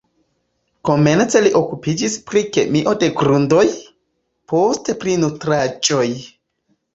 Komence li okupiĝis pri kemio de grundoj, poste pri nutraĵoj.